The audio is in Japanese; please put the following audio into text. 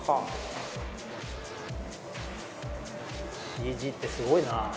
ＣＧってすごいな。